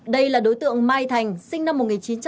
đây là đối tượng mai thành sinh năm một nghìn chín trăm tám mươi